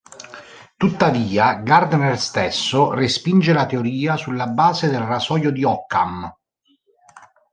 Tuttavia, Gardner stesso respinge la teoria sulla base del Rasoio di Occam.